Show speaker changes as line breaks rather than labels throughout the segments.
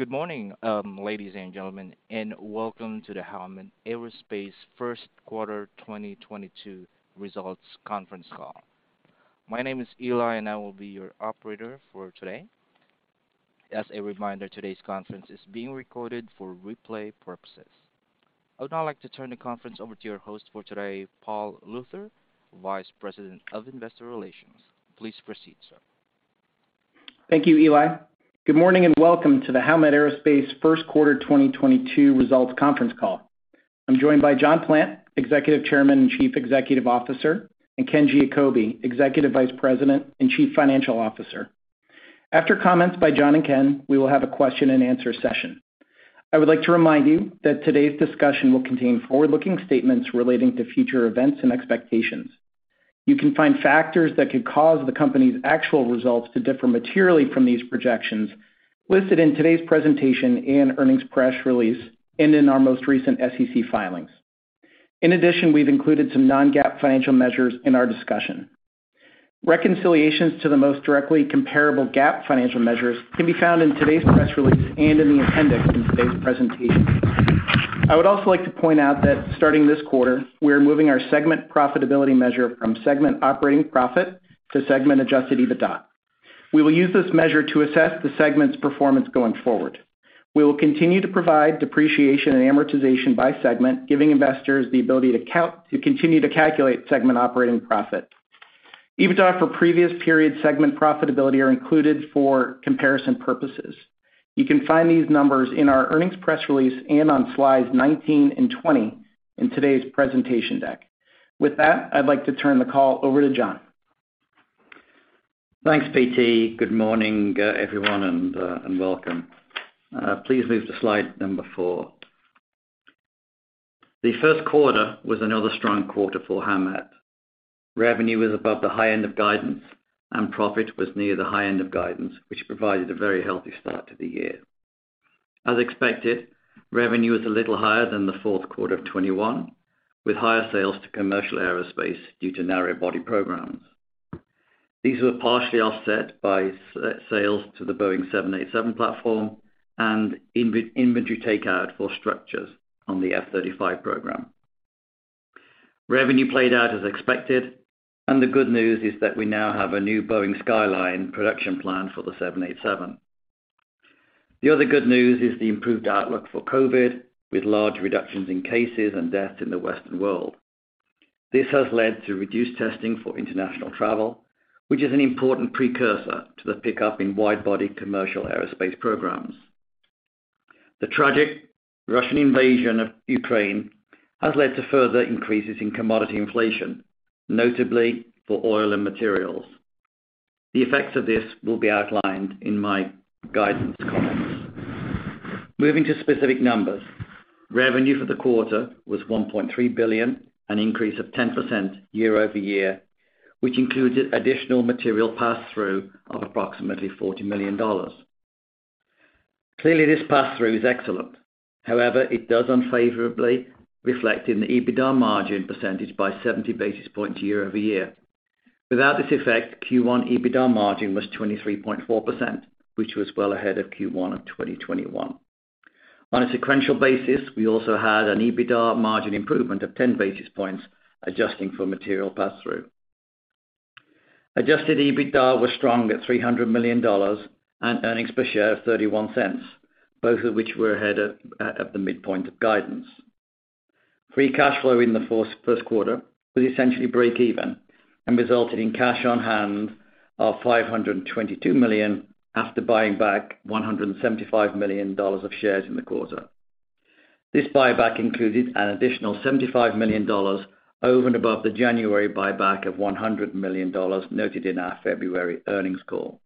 Good morning, ladies and gentlemen, and welcome to the Howmet Aerospace Q1 2022 results conference call. My name is Eli, and I will be your operator for today. As a reminder, today's conference is being recorded for replay purposes. I would now like to turn the conference over to your host for today, Paul Luther, Vice President of Investor Relations. Please proceed, sir.
Thank you, Eli. Good morning, and welcome to the Howmet Aerospace Q1 2022 results conference call. I'm joined by John Plant, Executive Chairman and Chief Executive Officer, and Ken Giacobbe, Executive Vice President and Chief Financial Officer. After comments by John and Ken, we will have a question-and-answer session. I would like to remind you that today's discussion will contain forward-looking statements relating to future events and expectations. You can find factors that could cause the company's actual results to differ materially from these projections listed in today's presentation and earnings press release and in our most recent SEC filings. In addition, we've included some non-GAAP financial measures in our discussion. Reconciliations to the most directly comparable GAAP financial measures can be found in today's press release and in the appendix in today's presentation. I would also like to point out that starting this quarter, we are moving our segment profitability measure from segment operating profit to segment-adjusted EBITDA. We will use this measure to assess the segment's performance going forward. We will continue to provide depreciation and amortization by segment, giving investors the ability to continue to calculate segment operating profit. EBITDA for previous period segment profitability are included for comparison purposes. You can find these numbers in our earnings press release and on slides 19 and 20 in today's presentation deck. With that, I'd like to turn the call over to John.
Thanks, PT. Good morning, everyone and welcome. Please move to slide number 4. The Q1 was another strong quarter for Howmet. Revenue was above the high end of guidance, and profit was near the high end of guidance, which provided a very healthy start to the year. As expected, revenue was a little higher than the Q4 of 2021, with higher sales to commercial aerospace due to narrow body programs. These were partially offset by sales to the Boeing 787 platform and inventory takeout for structures on the F-35 program. Revenue played out as expected, and the good news is that we now have a new Boeing skyline production plan for the 787. The other good news is the improved outlook for COVID, with large reductions in cases and deaths in the Western world. This has led to reduced testing for international travel, which is an important precursor to the pickup in wide body commercial aerospace programs. The tragic Russian invasion of Ukraine has led to further increases in commodity inflation, notably for oil and materials. The effects of this will be outlined in my guidance comments. Moving to specific numbers. Revenue for the quarter was $1.3 billion, an increase of 10% year-over-year, which included additional material pass-through of approximately $40 million. Clearly, this pass-through is excellent. However, it does unfavorably reflect in the EBITDA margin percentage by 70 basis points year-over-year. Without this effect, Q1 EBITDA margin was 23.4%, which was well ahead of Q1 of 2021. On a sequential basis, we also had an EBITDA margin improvement of 10 basis points, adjusting for material pass-through. Adjusted EBITDA was strong at $300 million, and earnings per share of $0.31, both of which were ahead of the midpoint of guidance. Free cash flow in the Q1 was essentially break even and resulted in cash on hand of $522 million after buying back $175 million of shares in the quarter. This buyback included an additional $75 million over and above the January buyback of $100 million noted in our February earnings call.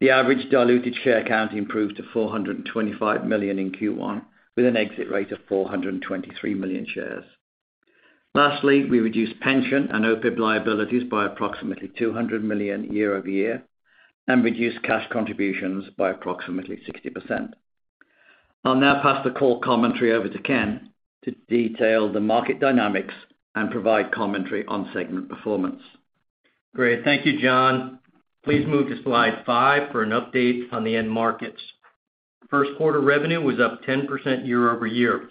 The average diluted share count improved to 425 million in Q1, with an exit rate of 423 million shares. Lastly, we reduced pension and OPEB liabilities by approximately $200 million year-over-year and reduced cash contributions by approximately 60%. I'll now pass the call commentary over to Ken to detail the market dynamics and provide commentary on segment performance.
Great. Thank you, John. Please move to slide 5 for an update on the end markets. Q1 revenue was up 10% year-over-year.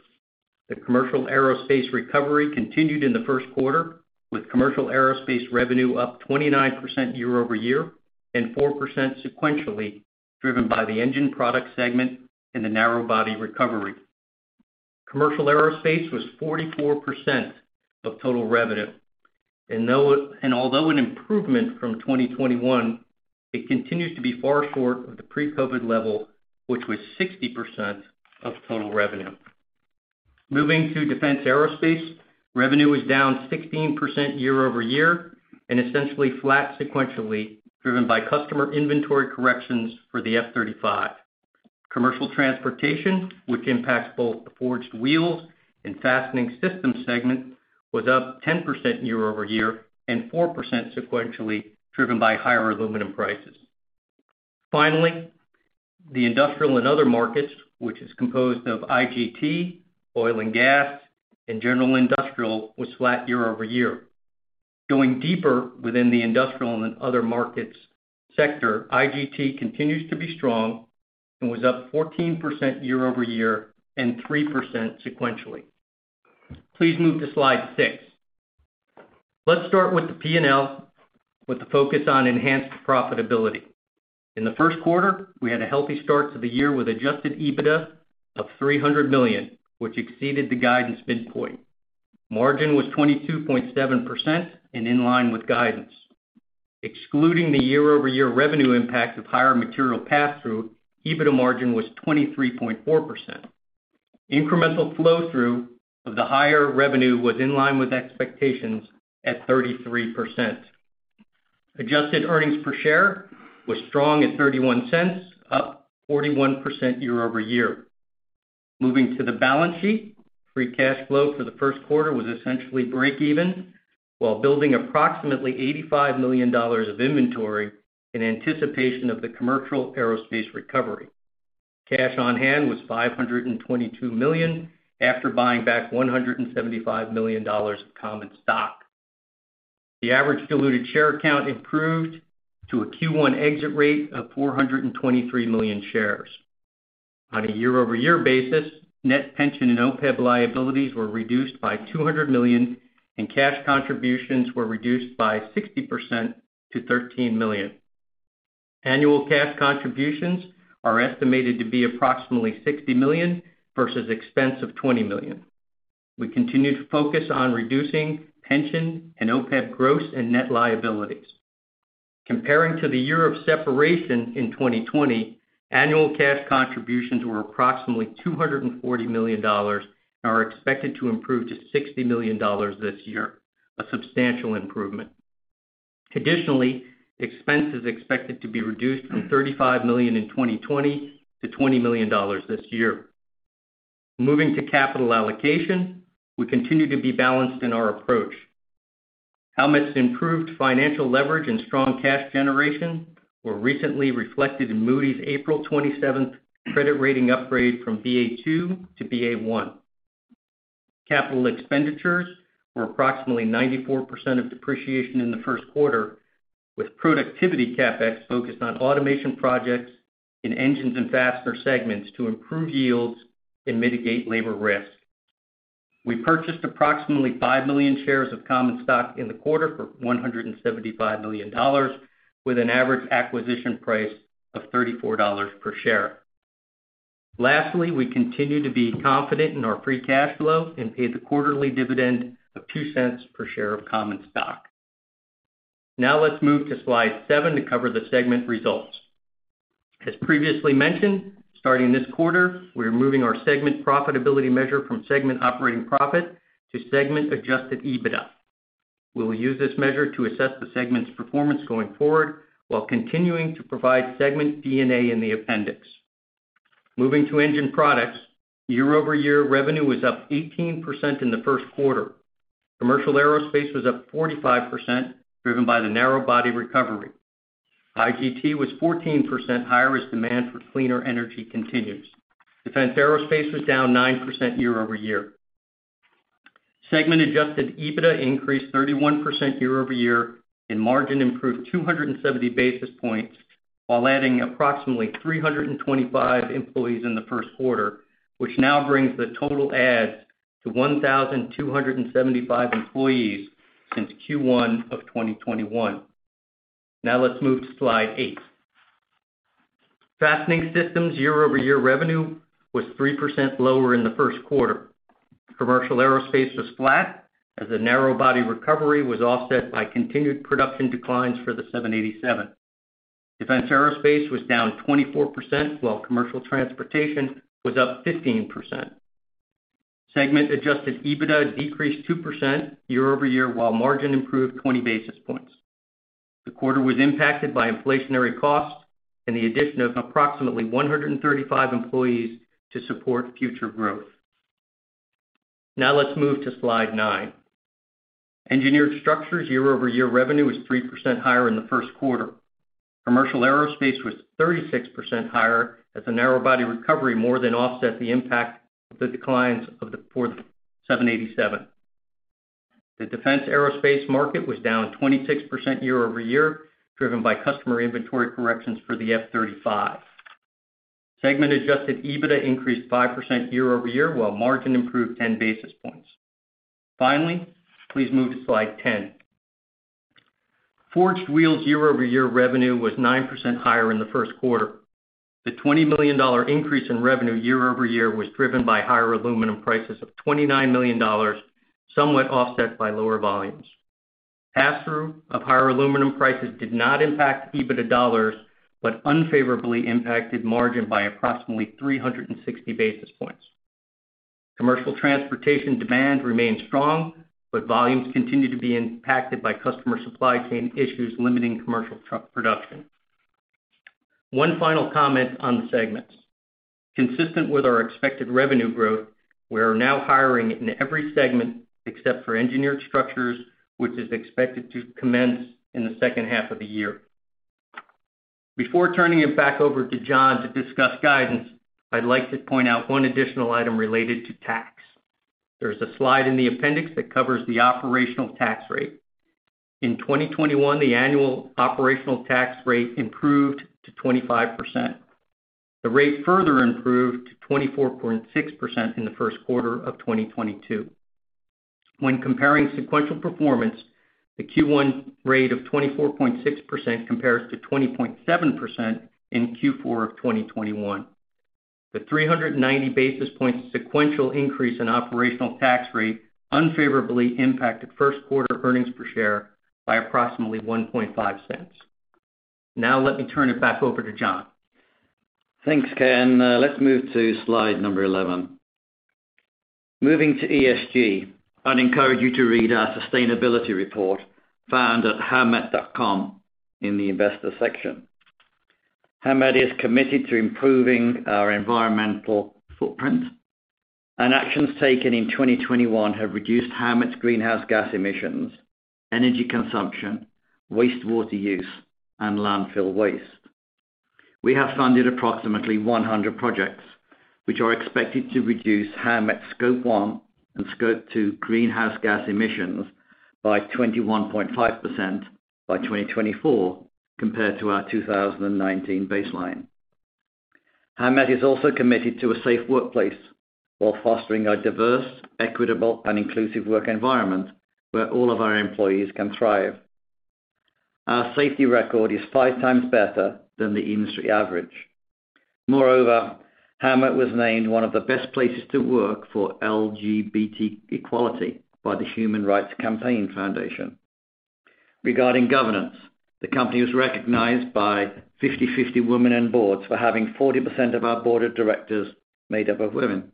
The commercial aerospace recovery continued in the Q1 with commercial aerospace revenue up 29% year-over-year and 4% sequentially, driven by the Engine Products segment and the narrow-body recovery. Commercial aerospace was 44% of total revenue. Although an improvement from 2021, it continues to be far short of the pre-COVID level, which was 60% of total revenue. Moving to defense aerospace, revenue was down 16% year-over-year and essentially flat sequentially, driven by customer inventory corrections for the F-35. Commercial transportation, which impacts both the Forged Wheels and Fastening Systems segment, was up 10% year-over-year and 4% sequentially, driven by higher aluminum prices. Finally, the industrial and other markets, which is composed of IGT, oil and gas, and general industrial, was flat year-over-year. Going deeper within the industrial and other markets sector, IGT continues to be strong and was up 14% year-over-year and 3% sequentially. Please move to slide 6. Let's start with the P&L, with the focus on enhanced profitability. In the Q1, we had a healthy start to the year with adjusted EBITDA of $300 million, which exceeded the guidance midpoint. Margin was 22.7% and in line with guidance. Excluding the year-over-year revenue impact of higher material passthrough, EBITDA margin was 23.4%. Incremental flow through of the higher revenue was in line with expectations at 33%. Adjusted earnings per share was strong at $0.31, up 41% year-over-year. Moving to the balance sheet. Free cash flow for the Q1 was essentially break even, while building approximately $85 million of inventory in anticipation of the commercial aerospace recovery. Cash on hand was $522 million after buying back $175 million of common stock. The average diluted share count improved to a Q1 exit rate of 423 million shares. On a year-over-year basis, net pension and OPEB liabilities were reduced by $200 million, and cash contributions were reduced by 60% to $13 million. Annual cash contributions are estimated to be approximately $60 million versus expense of $20 million. We continue to focus on reducing pension and OPEB gross and net liabilities. Comparing to the year of separation in 2020, annual cash contributions were approximately $240 million and are expected to improve to $60 million this year, a substantial improvement. Additionally, expense is expected to be reduced from $35 million in 2020 to $20 million this year. Moving to capital allocation. We continue to be balanced in our approach. Howmet's improved financial leverage and strong cash generation were recently reflected in Moody's April 27 credit rating upgrade from Ba2 to Ba1. Capital expenditures were approximately 94% of depreciation in the Q1, with productivity CapEx focused on automation projects in engines and fastener segments to improve yields and mitigate labor risk. We purchased approximately 5 million shares of common stock in the quarter for $175 million, with an average acquisition price of $34 per share. Lastly, we continue to be confident in our free cash flow and paid the quarterly dividend of $0.02 per share of common stock. Now let's move to slide 7 to cover the segment results. As previously mentioned, starting this quarter, we're moving our segment profitability measure from segment operating profit to segment adjusted EBITDA. We will use this measure to assess the segment's performance going forward while continuing to provide segment D&A in the appendix. Moving to Engine Products. Year-over-year revenue was up 18% in the Q1. Commercial aerospace was up 45%, driven by the narrow body recovery. IGT was 14% higher as demand for cleaner energy continues. Defense aerospace was down 9% year-over-year. Segment adjusted EBITDA increased 31% year-over-year, and margin improved 270 basis points while adding approximately 325 employees in the Q1 which now brings the total adds to 1,275 employees since Q1 of 2021. Now let's move to slide 8. Fastening Systems year-over-year revenue was 3% lower in the Q1. Commercial aerospace was flat as the narrow-body recovery was offset by continued production declines for the 787. Defense aerospace was down 24%, while commercial transportation was up 15%. Segment adjusted EBITDA decreased 2% year-over-year, while margin improved 20 basis points. The quarter was impacted by inflationary costs and the addition of approximately 135 employees to support future growth. Now let's move to slide 9. Engineered Structures year-over-year revenue was 3% higher in the Q1. Commercial aerospace was 36% higher as the narrow-body recovery more than offset the impact of the declines for the 787. The defense aerospace market was down 26% year-over-year, driven by customer inventory corrections for the F-35. Segment adjusted EBITDA increased 5% year-over-year, while margin improved 10 basis points. Finally, please move to slide 10. Forged Wheels year-over-year revenue was 9% higher in the Q1. The $20 million increase in revenue year-over-year was driven by higher aluminum prices of $29 million, somewhat offset by lower volumes. Pass-through of higher aluminum prices did not impact EBITDA dollars, but unfavorably impacted margin by approximately 360 basis points. Commercial transportation demand remains strong, but volumes continue to be impacted by customer supply chain issues limiting commercial truck production. One final comment on the segments. Consistent with our expected revenue growth, we are now hiring in every segment except for Engineered Structures, which is expected to commence in the second half of the year. Before turning it back over to John to discuss guidance, I'd like to point out one additional item related to tax. There's a slide in the appendix that covers the operational tax rate. In 2021, the annual operational tax rate improved to 25%. The rate further improved to 24.6% in the Q1 of 2022. When comparing sequential performance, the Q1 rate of 24.6% compares to 20.7% in Q4 of 2021. The 390 basis points sequential increase in operational tax rate unfavorably impacted Q1 earnings per share by approximately $0.015. Now, let me turn it back over to John.
Thanks, Ken. Let's move to slide 11. Moving to ESG, I'd encourage you to read our sustainability report found at howmet.com in the investor section. Howmet is committed to improving our environmental footprint, and actions taken in 2021 have reduced Howmet's greenhouse gas emissions, energy consumption, wastewater use, and landfill waste. We have funded approximately 100 projects, which are expected to reduce Howmet Scope 1 and Scope 2 greenhouse gas emissions by 21.5% by 2024 compared to our 2019 baseline. Howmet is also committed to a safe workplace while fostering a diverse, equitable, and inclusive work environment where all of our employees can thrive. Our safety record is five times better than the industry average. Moreover, Howmet was named one of the best places to work for LGBT equality by the Human Rights Campaign Foundation. Regarding governance, the company was recognized by 50/50 Women on Boards for having 40% of our board of directors made up of women.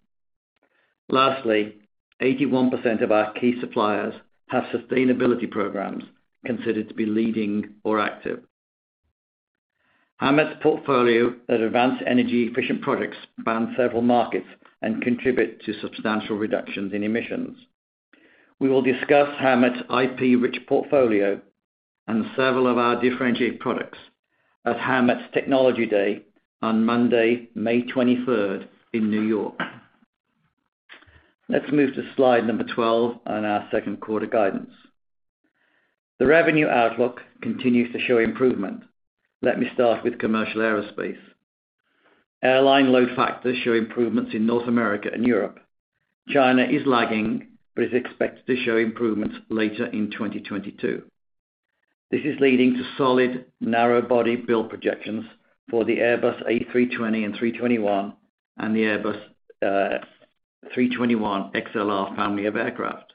Lastly, 81% of our key suppliers have sustainability programs considered to be leading or active. Howmet's portfolio of advanced energy-efficient products span several markets and contribute to substantial reductions in emissions. We will discuss Howmet's IP rich portfolio and several of our differentiated products at Howmet's Technology Day on Monday, May 23rd in New York. Let's move to slide number 12 on our Q2 guidance. The revenue outlook continues to show improvement. Let me start with commercial aerospace. Airline load factors show improvements in North America and Europe. China is lagging, but is expected to show improvements later in 2022. This is leading to solid narrow body build projections for the Airbus A320 and 321, and the Airbus 321XLR family of aircraft.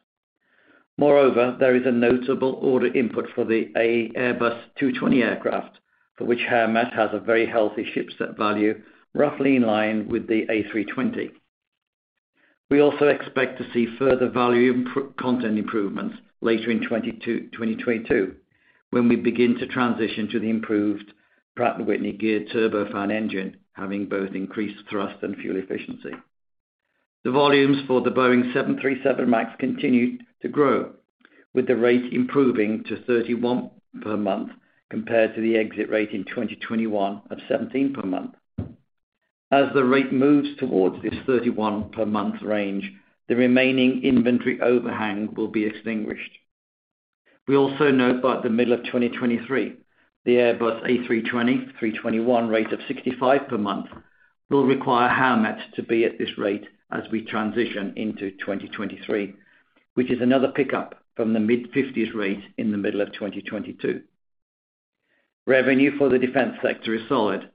Moreover, there is a notable order input for the Airbus 220 aircraft, for which Howmet has a very healthy shipset value, roughly in line with the A320. We also expect to see further value content improvements later in 2022, when we begin to transition to the improved Pratt & Whitney geared turbofan engine, having both increased thrust and fuel efficiency. The volumes for the Boeing 737 MAX continue to grow, with the rate improving to 31 per month compared to the exit rate in 2021 of 17 per month. As the rate moves towards this 31 per month range, the remaining inventory overhang will be extinguished. We also note by the middle of 2023, the Airbus A320/A321 rate of 65 per month will require Howmet to be at this rate as we transition into 2023, which is another pickup from the mid-50s rate in the middle of 2022. Revenue for the defense sector is solid,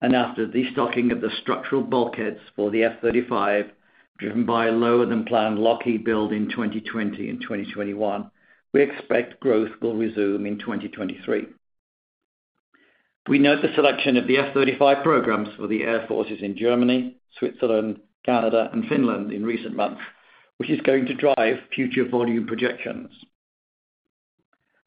and after the stocking of the structural bulkheads for the F-35, driven by lower than planned Lockheed build in 2020 and 2021, we expect growth will resume in 2023. We note the selection of the F-35 programs for the air forces in Germany, Switzerland, Canada, and Finland in recent months, which is going to drive future volume projections.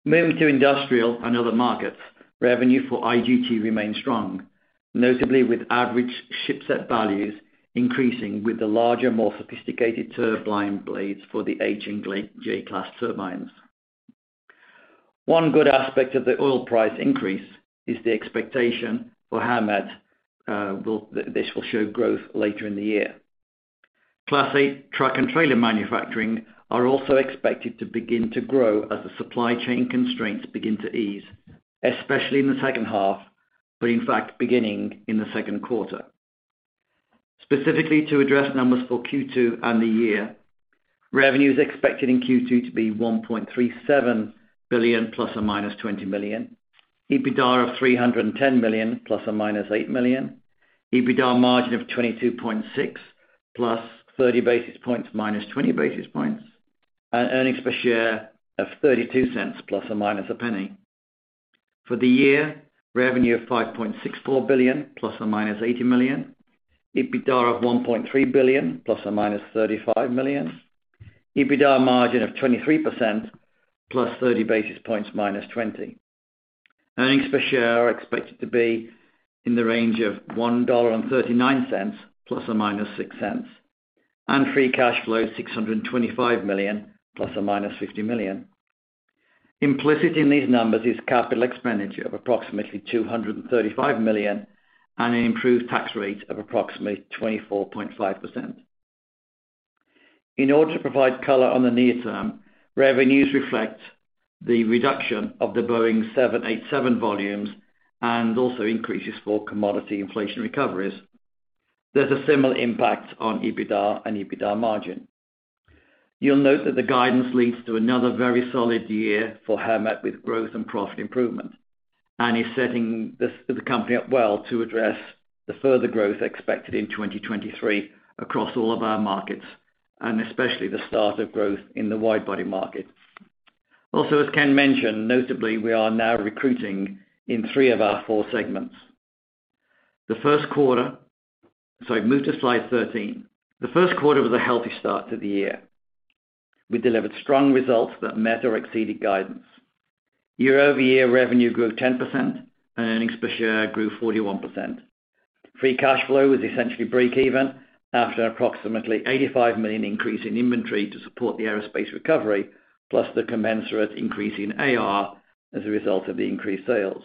Moving to industrial and other markets, revenue for IGT remains strong, notably with average shipset values increasing with the larger, more sophisticated turbine blades for the aging GE J-Class turbines. One good aspect of the oil price increase is the expectation for Howmet will show growth later in the year. Class 8 truck and trailer manufacturing are also expected to begin to grow as the supply chain constraints begin to ease, especially in the second half, but in fact, beginning in the Q2. Specifically to address numbers for Q2 and the year, revenue is expected in Q2 to be $1.37 billion ±$20 million. EBITDA of $310 million ±$8 million. EBITDA margin of 22.6% plus thirty basis points, minus twenty basis points, and earnings per share of $0.32 ±$0.01. For the year, revenue of $5.64 billion ±$80 million. EBITDA of $1.3 billion ±$35 million. EBITDA margin of 23% +30 basis points, -20. Earnings per share are expected to be in the range of $1.39 ±6 cents. Free cash flow $625 million ±$50 million. Implicit in these numbers is capital expenditure of approximately $235 million and an improved tax rate of approximately 24.5%. In order to provide color on the near term, revenues reflect the reduction of the Boeing 787 volumes and also increases for commodity inflation recoveries. There's a similar impact on EBITDA and EBITDA margin. You'll note that the guidance leads to another very solid year for Howmet with growth and profit improvement and is setting this, the company up well to address the further growth expected in 2023 across all of our markets, and especially the start of growth in the wide body market. Also, as Ken mentioned, notably, we are now recruiting in three of our four segments. The Q1 was a healthy start to the year. We delivered strong results that met or exceeded guidance. Year-over-year revenue grew 10% and earnings per share grew 41%. Free cash flow was essentially break even after approximately $85 million increase in inventory to support the aerospace recovery, plus the commensurate increase in AR as a result of the increased sales.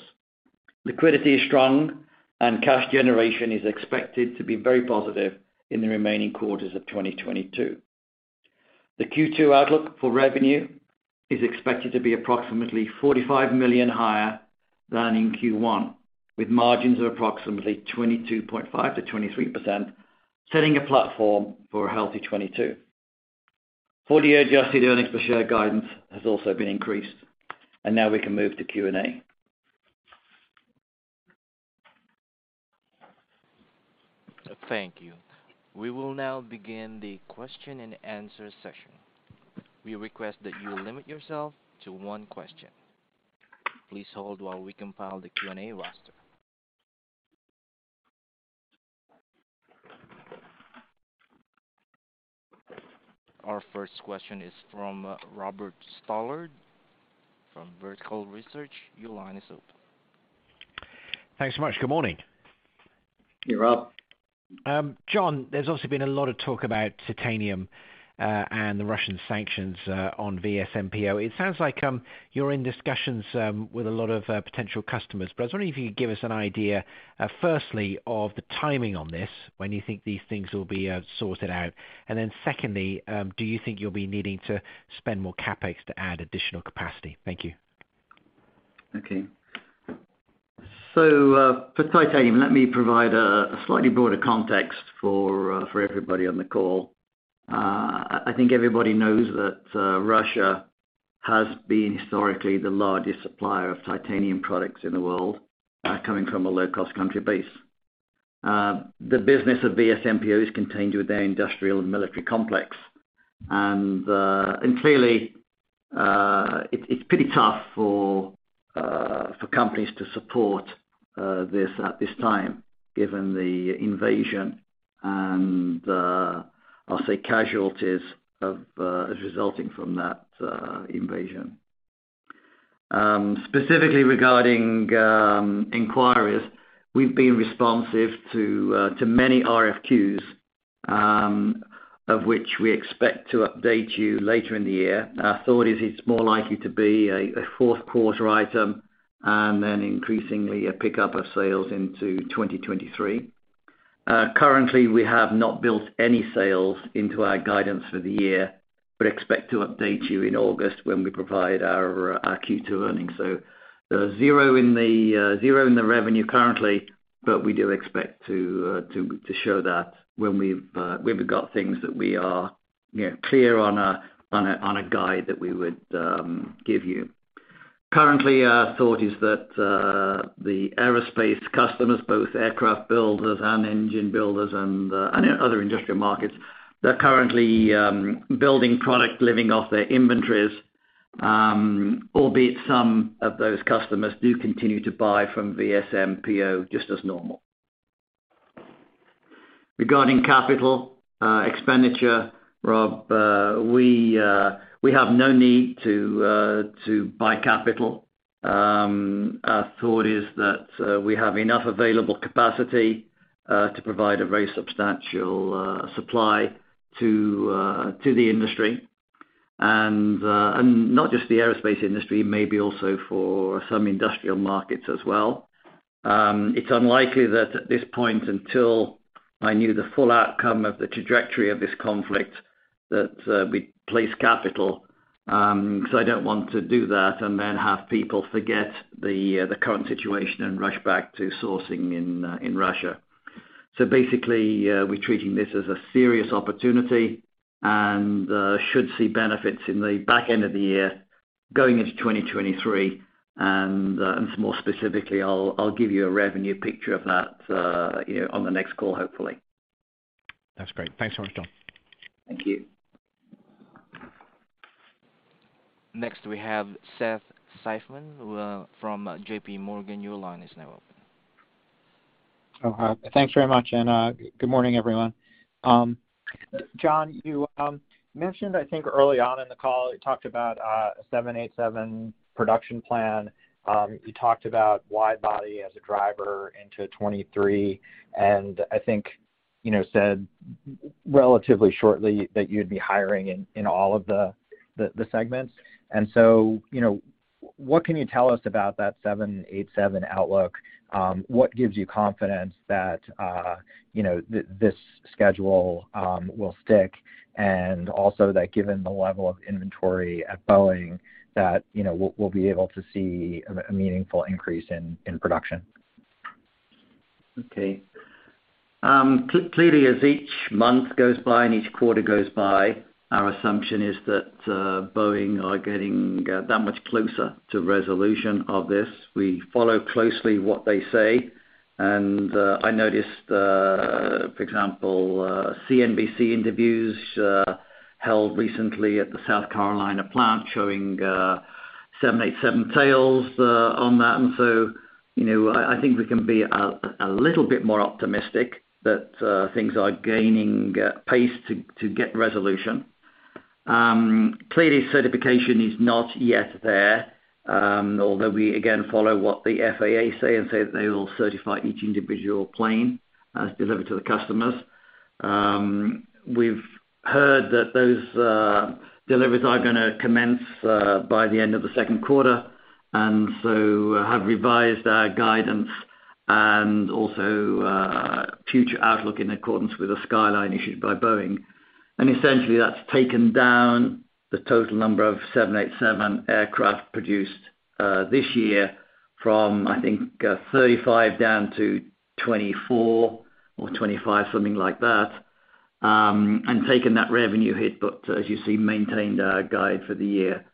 Liquidity is strong and cash generation is expected to be very positive in the remaining quarters of 2022. The Q2 outlook for revenue is expected to be approximately $45 million higher than in Q1, with margins of approximately 22.5%-23%, setting a platform for a healthy 2022. Full year adjusted earnings per share guidance has also been increased. Now we can move to Q&A.
Thank you. We will now begin the question and answer session. We request that you limit yourself to one question. Please hold while we compile the Q&A roster. Our first question is from Robert Stallard from Vertical Research. Your line is open.
Thanks so much. Good morning.
Hey, Rob.
John, there's obviously been a lot of talk about titanium, and the Russian sanctions, on VSMPO-AVISMA. It sounds like you're in discussions with a lot of potential customers. I was wondering if you could give us an idea, firstly of the timing on this, when you think these things will be sorted out. Secondly, do you think you'll be needing to spend more CapEx to add additional capacity? Thank you.
Okay. For titanium, let me provide a slightly broader context for everybody on the call. I think everybody knows that Russia has been historically the largest supplier of titanium products in the world, coming from a low-cost country base. The business of VSMPO-AVISMA is contained within their industrial and military complex. Clearly, it's pretty tough for companies to support this at this time, given the invasion and I'll say casualties as resulting from that invasion. Specifically regarding inquiries, we've been responsive to many RFQs, of which we expect to update you later in the year. Our thought is it's more likely to be a Q4 item and then increasingly a pickup of sales into 2023. Currently, we have not built any sales into our guidance for the year, but expect to update you in August when we provide our Q2 earnings. There are zero in the revenue currently, but we do expect to show that when we've got things that we are clear on a guide that we would give you. Currently, our thought is that the aerospace customers, both aircraft builders and engine builders and other industrial markets, they're currently building products, living off their inventories. Albeit some of those customers do continue to buy from VSMPO-AVISMA just as normal. Regarding capital expenditure, Rob, we have no need to buy capital. Our thought is that we have enough available capacity to provide a very substantial supply to the industry, not just the aerospace industry, maybe also for some industrial markets as well. It's unlikely that at this point until I knew the full outcome of the trajectory of this conflict that we place capital, because I don't want to do that and then have people forget the current situation and rush back to sourcing in Russia. Basically, we're treating this as a serious opportunity and should see benefits in the back end of the year going into 2023. More specifically, I'll give you a revenue picture of that on the next call hopefully.
That's great. Thanks so much, John.
Thank you.
Next, we have Seth Seifman with, from JP Morgan. Your line is now open.
Oh, hi. Thanks very much. Good morning, everyone. John, you mentioned I think early on in the call, you talked about 787 production plan. You talked about wide body as a driver into 2023. I think You know, said relatively shortly that you'd be hiring in all of the segments. You know, what can you tell us about that 787 outlook? What gives you confidence that this schedule will stick, and also that given the level of inventory at Boeing that we'll be able to see a meaningful increase in production?
Okay. Clearly, as each month goes by and each quarter goes by, our assumption is that Boeing are getting that much closer to resolution of this. We follow closely what they say. I noticed, for example, CNBC interviews held recently at the South Carolina plant showing 787 tails on that. You know, I think we can be a little bit more optimistic that things are gaining pace to get resolution. Clearly certification is not yet there, although we again follow what the FAA say and say that they will certify each individual plane delivered to the customers. We've heard that those deliveries are gonna commence by the end of the Q2 and so have revised our guidance and also future outlook in accordance with the guideline issued by Boeing. Essentially that's taken down the total number of Boeing 787 aircraft produced this year from, I think, 35 down to 24 or 25, something like that, and taken that revenue hit, but as you see, maintained our guide for the year.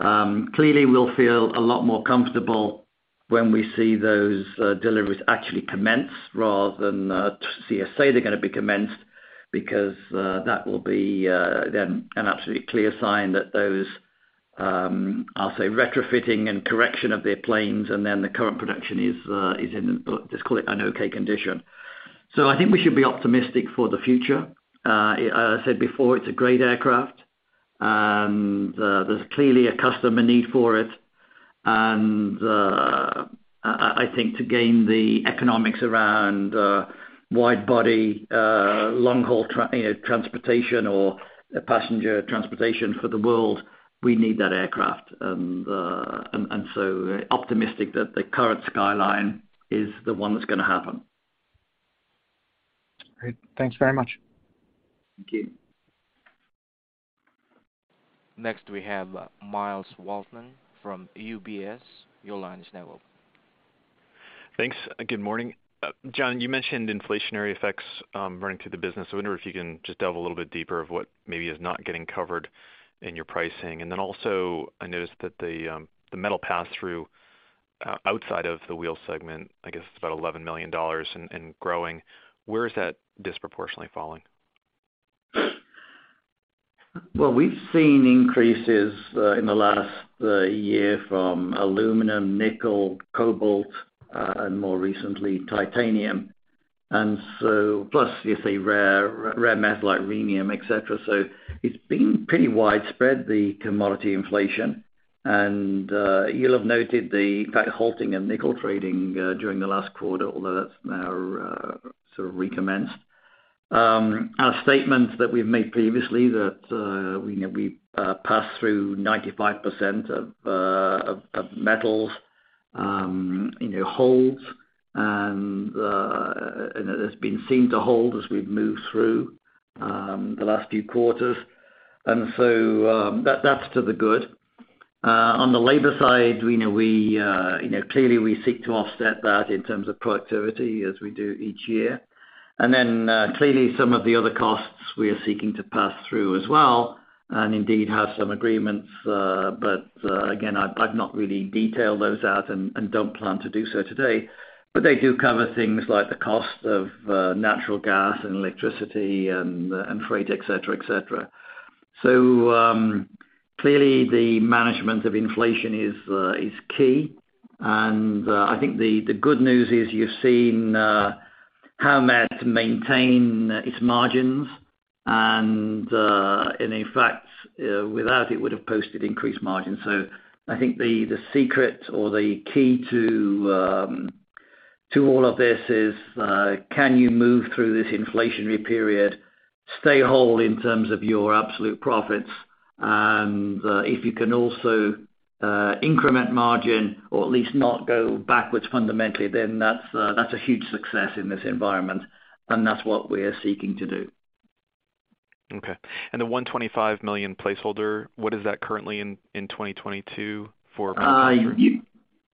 Clearly we'll feel a lot more comfortable when we see those deliveries actually commence rather than just hear you say they're gonna be commenced because that will be then an absolutely clear sign that those I'll say retrofitting and correction of their planes and then the current production is in, let's call it an okay condition. I think we should be optimistic for the future, as I said before. It's a great aircraft and there's clearly a customer need for it. I think to gain the economics around wide body long-haul transportation or passenger transportation for the world, we need that aircraft. Optimistic that the current timeline is the one that's gonna happen.
Great. Thanks very much.
Thank you.
Next, we have Myles Walton from UBS. Your line is now open.
Thanks. Good morning. John, you mentioned inflationary effects running through the business. I wonder if you can just delve a little bit deeper of what maybe is not getting covered in your pricing. I noticed that the metal pass through outside of the wheel segment. I guess it's about $11 million and growing. Where is that disproportionately falling?
Well, we've seen increases in the last year from aluminum, nickel, cobalt, and more recently, titanium. Plus, you see rare metals like rhenium, et cetera. It's been pretty widespread, the commodity inflation. You'll have noted the halting of nickel trading during the last quarter, although that's now sort of recommenced. Our statement that we've made previously that we pass through 95% of metals holds and that has been seen to hold as we've moved through the last few quarters. That, that's to the good. On the labor side, we know clearly we seek to offset that in terms of productivity as we do each year. Clearly some of the other costs we are seeking to pass through as well and indeed have some agreements, but again, I've not really detailed those out and don't plan to do so today. They do cover things like the cost of natural gas and electricity and freight, et cetera, et cetera. Clearly the management of inflation is key. I think the good news is you've seen Howmet to maintain its margins and in fact without it would have posted increased margins. I think the secret or the key to all of this is can you move through this inflationary period, stay whole in terms of your absolute profits, and if you can also increment margin or at least not go backwards fundamentally, then that's a huge success in this environment, and that's what we're seeking to do.
Okay. The $125 million placeholder, what is that currently in 2022 for?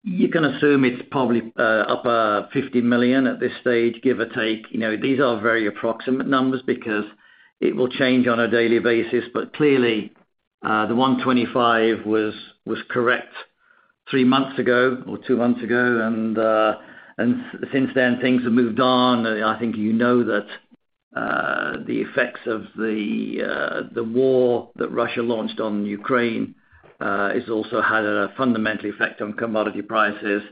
You can assume it's probably up $50 million at this stage, give or take. You know, these are very approximate numbers because it will change on a daily basis. But clearly, the 125 was correct three months ago or two months ago, and since then things have moved on. I think you know that the effects of the war that Russia launched on Ukraine has also had a fundamental effect on commodity prices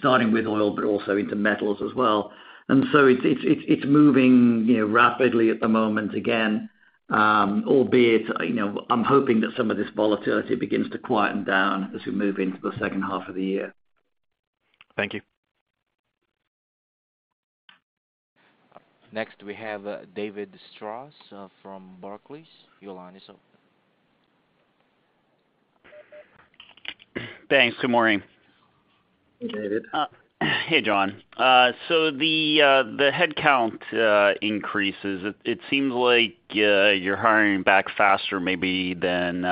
starting with oil, but also into metals as well. It's moving rapidly at the moment again, albeit I'm hoping that some of this volatility begins to quieten down as we move into the second half of the year. Thank you.
Next we have David Strauss from Barclays. Your line is open.
Thanks. Good morning.
Hey, David.
Hey, John. The headcount increases. It seems like you're hiring back faster maybe than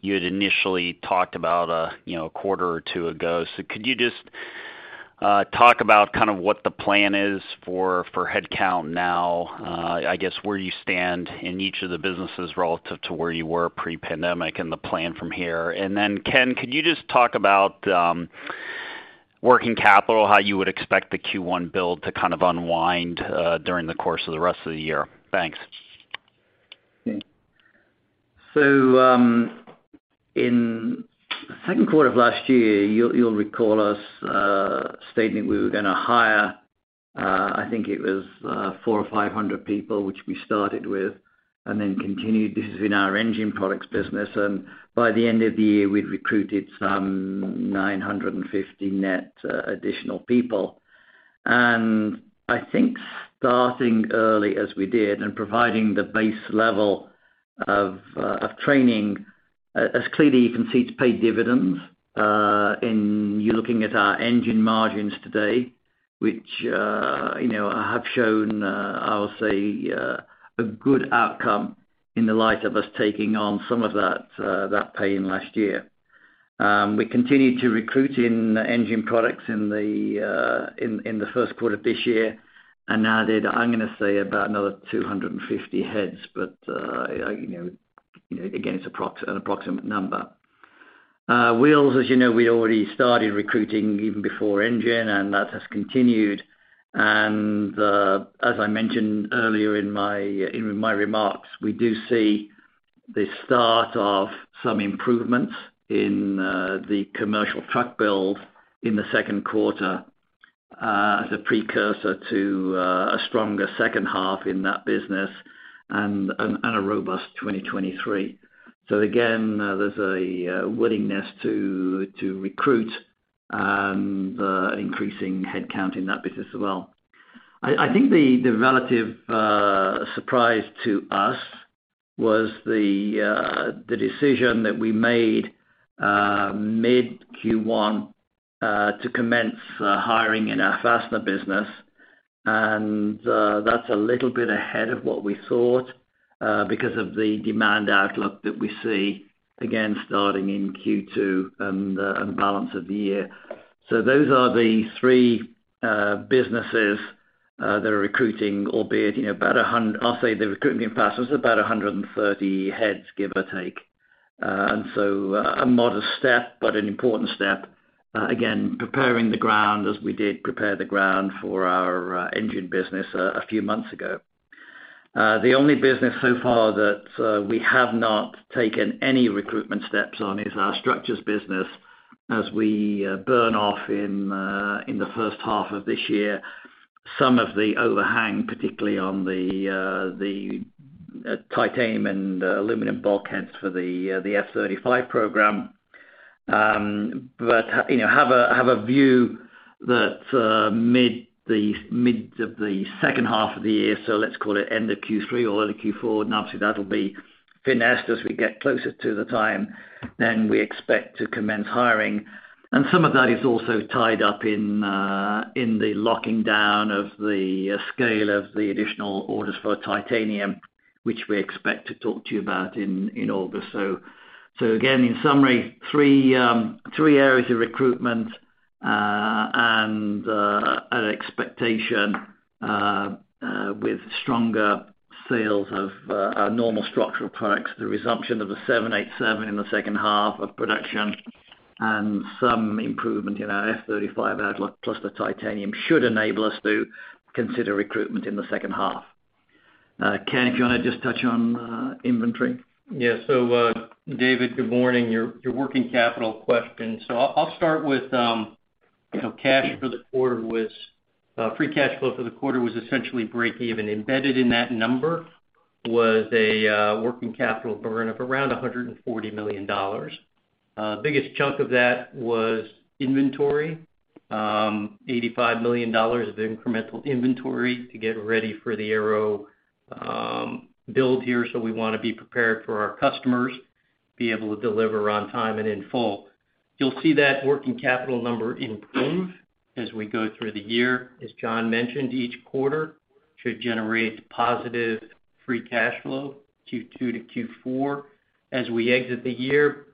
you had initially talked about a quarter or two ago. Could you just talk about kind of what the plan is for headcount now? I guess where you stand in each of the businesses relative to where you were pre-pandemic and the plan from here. Then, Ken, could you just talk about working capital, how you would expect the Q1 build to kind of unwind during the course of the rest of the year? Thanks.
In Q2 of last year, you'll recall us stating we were gonna hire, I think it was, 400 or 500 people, which we started with and then continued. This is in our Engine Products business. By the end of the year, we'd recruited some 950 net additional people. I think starting early as we did and providing the base level of training, as clearly you can see, it's paid dividends in you looking at our Engine margins today, which have shown, I'll say, a good outcome in the light of us taking on some of that pain last year. We continued to recruit in Engine Products in the Q1 of this year and added, I'm gonna say, about another 250 heads. But you know, again, it's an approximate number. Wheels, as you know, we already started recruiting even before engine, and that has continued. As I mentioned earlier in my remarks, we do see the start of some improvements in the commercial truck build in the Q2, as a precursor to a stronger second half in that business and a robust 2023. Again, there's a willingness to recruit an increasing headcount in that business as well. I think the relative surprise to us was the decision that we made mid Q1 to commence hiring in our fastener business. That's a little bit ahead of what we thought because of the demand outlook that we see, again, starting in Q2 and balance of the year. Those are the three businesses that are recruiting, albeit about 130 heads, give or take. I'll say the recruiting in fasteners is about 130 heads, give or take. A modest step, but an important step, again, preparing the ground as we did prepare the ground for our engine business a few months ago. The only business so far that we have not taken any recruitment steps on is our structures business as we burn off in the first half of this year some of the overhang, particularly on the titanium and aluminum bulkheads for the F-35 program. You know, have a view that mid of the second half of the year, so let's call it end of Q3 or early Q4, and obviously that'll be finessed as we get closer to the time, then we expect to commence hiring. Some of that is also tied up in the locking down of the scale of the additional orders for titanium, which we expect to talk to you about in August. Again, in summary, three areas of recruitment and an expectation with stronger sales of our normal structural products, the resumption of the 787 in the second half of production and some improvement in our F-35 outlook, plus the titanium should enable us to consider recruitment in the second half. Ken, do you wanna just touch on inventory?
Yeah. David, good morning. Your working capital question. I'll start with free cash flow for the quarter was essentially breakeven. Embedded in that number was a working capital burn of around $140 million. The biggest chunk of that was inventory, $85 million of incremental inventory to get ready for the aero build here. We wanna be prepared for our customers, be able to deliver on time and in full. You'll see that working capital number improve as we go through the year. As John mentioned, each quarter should generate positive free cash flow, Q2 to Q4. As we exit the year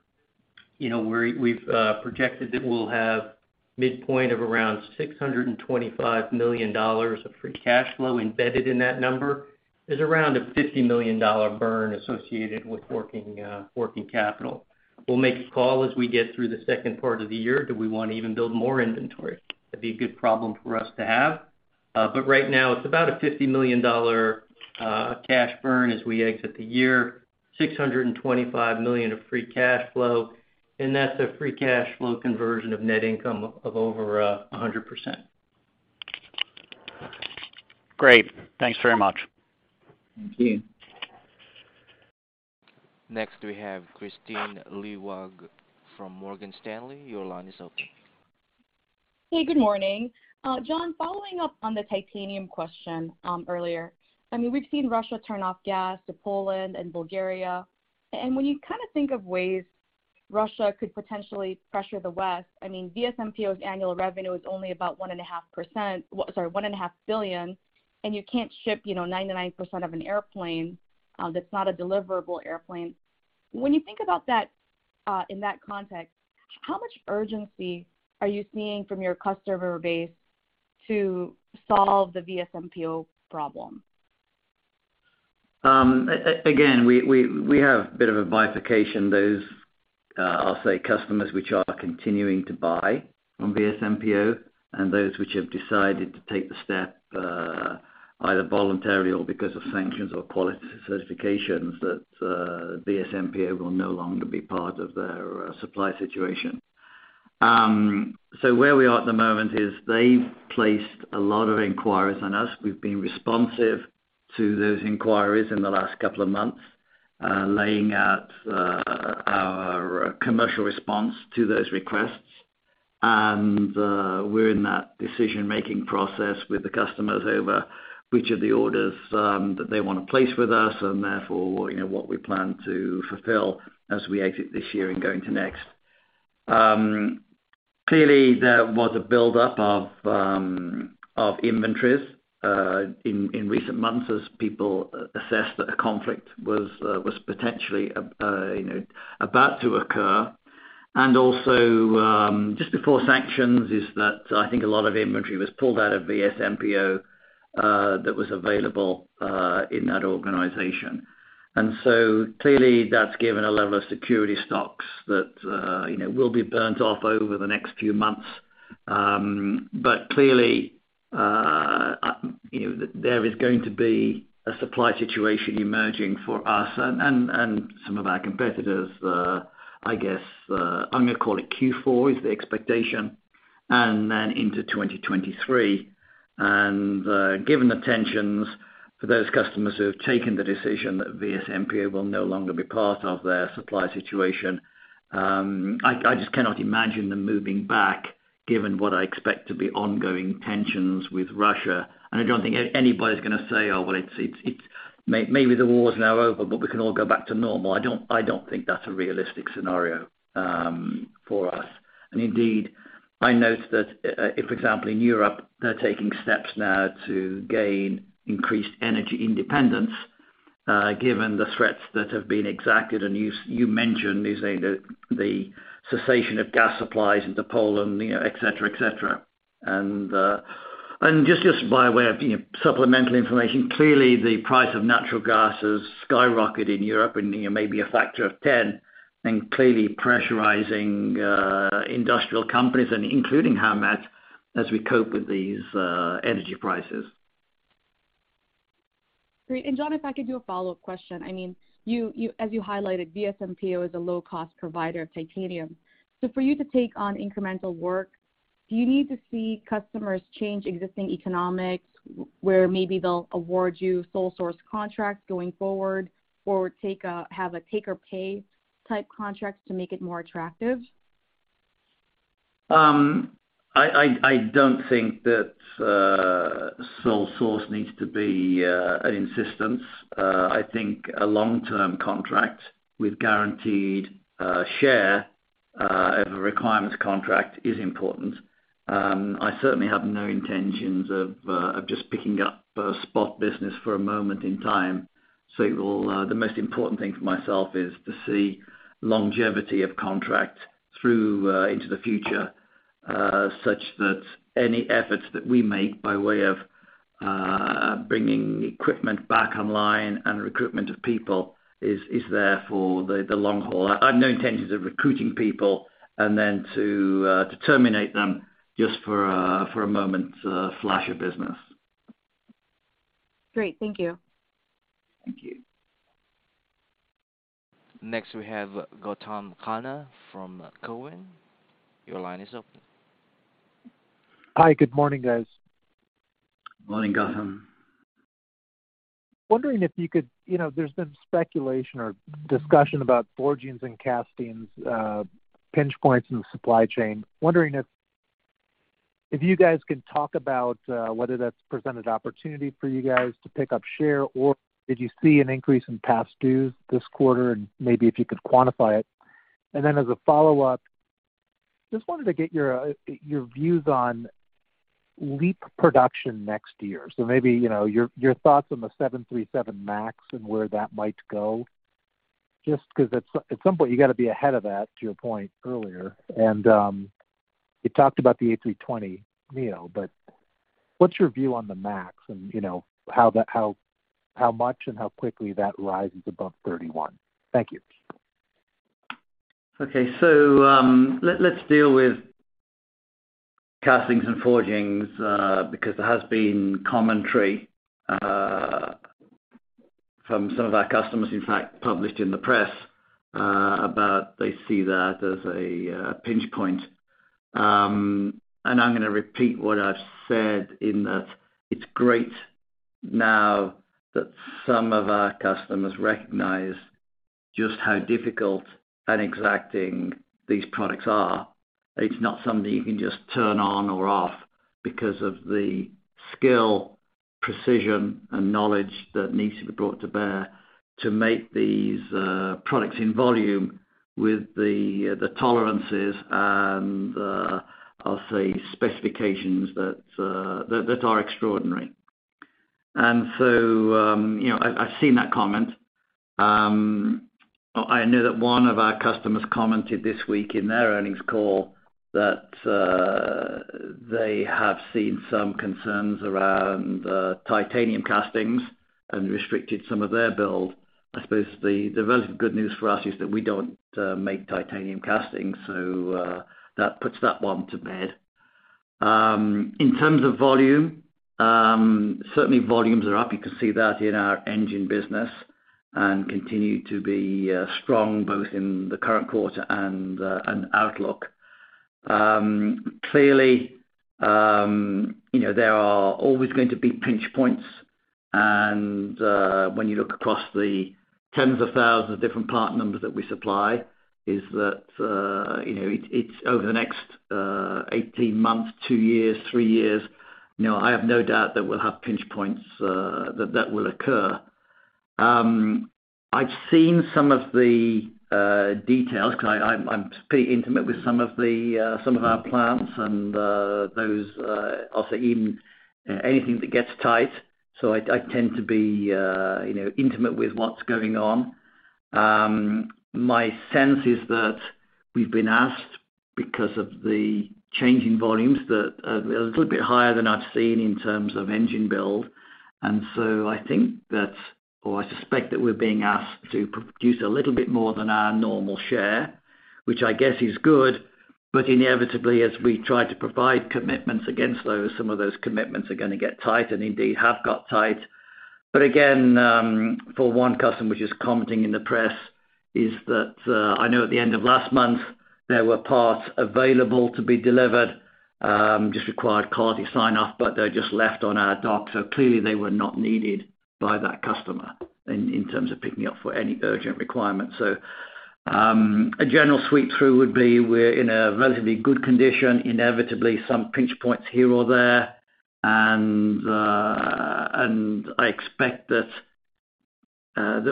we've projected that we'll have midpoint of around $625 million of free cash flow. Embedded in that number is around a $50 million burn associated with working capital. We'll make a call as we get through the second part of the year. Do we wanna even build more inventory? That'd be a good problem for us to have. Right now, it's about a $50 million cash burn as we exit the year, $625 million of free cash flow, and that's a free cash flow conversion of net income of over 100%.
Great. Thanks very much.
Thank you.
Next we have Kristine Liwag from Morgan Stanley. Your line is open.
Hey, good morning. John, following up on the titanium question, earlier. I mean, we've seen Russia turn off gas to Poland and Bulgaria. When you kind of think of ways Russia could potentially pressure the West, I mean, VSMPO-AVISMA's annual revenue is only about $1.5 billion, and you can't ship 99% of an airplane, that's not a deliverable airplane. When you think about that, in that context, how much urgency are you seeing from your customer base to solve the VSMPO-AVISMA problem?
Again, we have a bit of a bifurcation. Those, I'll say, customers which are continuing to buy from VSMPO-AVISMA and those which have decided to take the step, either voluntary or because of sanctions or quality certifications, that VSMPO-AVISMA will no longer be part of their supply situation. Where we are at the moment is they've placed a lot of inquiries on us. We've been responsive to those inquiries in the last couple of months, laying out our commercial response to those requests. We're in that decision-making process with the customers over which of the orders that they wanna place with us and therefore, what we plan to fulfill as we exit this year and go into next. Clearly there was a buildup of inventories in recent months as people assessed that a conflict was potentially about to occur. Also, just before sanctions is that I think a lot of inventory was pulled out of VSMPO-AVISMA, that was available, in that organization. Clearly that's given a level of security stocks that will be burnt off over the next few months. Clearly there is going to be a supply situation emerging for us and some of our competitors, I guess, I'm gonna call it Q4 is the expectation and then into 2023. Given the tensions for those customers who have taken the decision that VSMPO-AVISMA will no longer be part of their supply situation, I just cannot imagine them moving back given what I expect to be ongoing tensions with Russia. I don't think anybody's gonna say, "Oh, well, it's maybe the war's now over, but we can all go back to normal." I don't think that's a realistic scenario for us. Indeed, I note that, if for example, in Europe, they're taking steps now to gain increased energy independence, given the threats that have been exacted, and you mentioned the cessation of gas supplies into Poland et cetera. Just by way of, supplemental information, clearly the price of natural gas has skyrocketed in Europe and maybe a factor of ten, and clearly pressurizing industrial companies, including Howmet, as we cope with these energy prices.
Great. John, if I could do a follow-up question. I mean, you, as you highlighted, VSMPO-AVISMA is a low-cost provider of titanium. So for you to take on incremental work, do you need to see customers change existing economics where maybe they'll award you sole source contracts going forward or have a take or pay type contract to make it more attractive?
I don't think that sole source needs to be an insistence. I think a long-term contract with guaranteed share of a requirements contract is important. I certainly have no intentions of just picking up spot business for a moment in time. The most important thing for myself is to see longevity of contract through into the future such that any efforts that we make by way of bringing equipment back online and recruitment of people is there for the long haul. I've no intentions of recruiting people and then to terminate them just for a moment flash of business.
Great. Thank you.
Thank you.
Next we have Gautam Khanna from Cowen. Your line is open.
Hi, good morning, guys.
Morning, Gautam.
Wondering if you could. You know, there's been speculation or discussion about forgings and castings, pinch points in the supply chain. Wondering if you guys can talk about whether that's presented opportunity for you guys to pick up share, or did you see an increase in past dues this quarter, and maybe if you could quantify it. As a follow-up, just wanted to get your views on LEAP production next year. Maybe your thoughts on the 737 MAX and where that might go, just 'cause at some point, you gotta be ahead of that, to your point earlier. You talked about the A320neo, but what's your view on the MAX and how much and how quickly that rises above 31? Thank you.
Okay. So, let's deal with castings and forgings because there has been commentary from some of our customers, in fact, published in the press, about they see that as a pinch point. I'm gonna repeat what I've said in that it's great now that some of our customers recognize just how difficult and exacting these products are. It's not something you can just turn on or off because of the skill, precision, and knowledge that needs to be brought to bear to make these products in volume with the tolerances and, I'll say, specifications that are extraordinary. You know, I've seen that comment. I know that one of our customers commented this week in their earnings call that they have seen some concerns around titanium castings and restricted some of their build. I suppose the relative good news for us is that we don't make titanium castings, so that puts that one to bed. In terms of volume, certainly volumes are up. You can see that in our engine business and continue to be strong both in the current quarter and outlook. Clearly there are always going to be pinch points, and when you look across the tens of thousands of different part numbers that we supply is that it's over the next 18 months, two years, three yearsI have no doubt that we'll have pinch points that will occur. I've seen some of the details 'cause I'm pretty intimate with some of the some of our plants and those also even anything that gets tight. So I tend to be intimate with what's going on. My sense is that we've been asked because of the change in volumes that are a little bit higher than I've seen in terms of engine build. I think that or I suspect that we're being asked to produce a little bit more than our normal share, which I guess is good. Inevitably, as we try to provide commitments against those, some of those commitments are gonna get tight and indeed have got tight. For one customer which is commenting in the press, is that, I know at the end of last month, there were parts available to be delivered, just required quality sign off, but they're just left on our dock. A general sweep through would be we're in a relatively good condition, inevitably some pinch points here or there. I expect that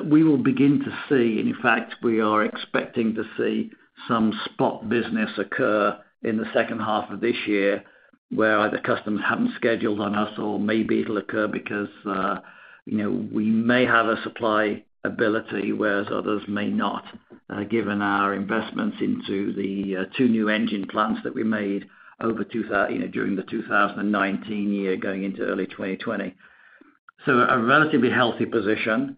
we will begin to see, and in fact, we are expecting to see some spot business occur in the second half of this year, where either customers haven't scheduled on us or maybe it'll occur because we may have a supply ability, whereas others may not, given our investments into the two new engine plants that we made during the 2019 year, going into early 2020. A relatively healthy position.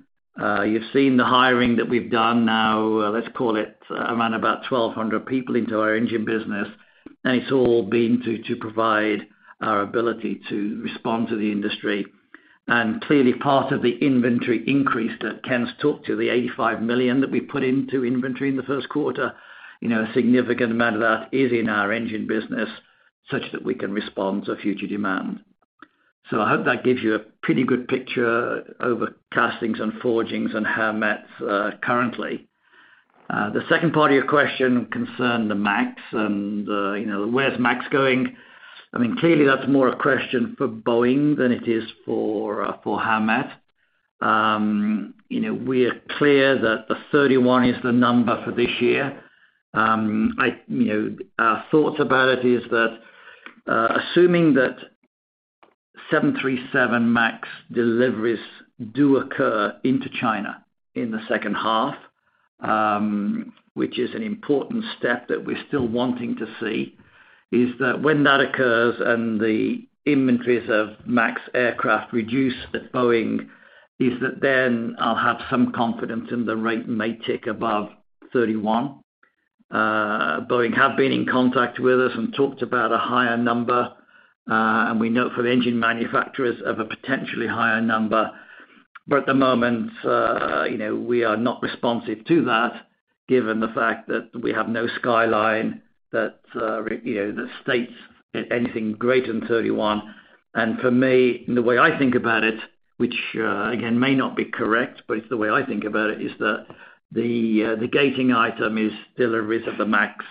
You've seen the hiring that we've done now, let's call it around about 1,200 people into our engine business. It's all been to provide our ability to respond to the industry. Clearly part of the inventory increase that Ken's talked to, the $85 million that we put into inventory in the Q1 a significant amount of that is in our engine business such that we can respond to future demand. I hope that gives you a pretty good picture over castings and forgings and how Howmet currently. The second part of your question concerned the MAX and where's MAX going? I mean, clearly that's more a question for Boeing than it is for Howmet. You know, we are clear that the 31 is the number for this year. You know, our thoughts about it is that, assuming that 737 MAX deliveries do occur into China in the second half, which is an important step that we're still waiting to see, when that occurs and the inventories of MAX aircraft reduce at Boeing, then I'll have some confidence and the rate may tick above 31. Boeing have been in contact with us and talked about a higher number, and we note for the engine manufacturers of a potentially higher number. But at the moment we are not responsive to that given the fact that we have no guideline that that states anything greater than 31. For me, the way I think about it, which, again, may not be correct, but it's the way I think about it, is that the gating item is deliveries of the MAX